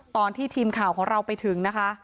ตอนที่ทีมข่าวของเราไปถึงนะคะ